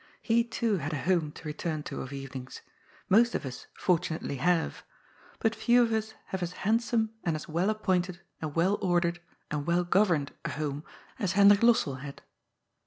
He, too, had a home to return to of evenings. Most of us fortunately have. But few of us have as handsome and as well appointed and well ordered and well govemed a home as Hendrik Lossell had.